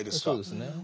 そうですね。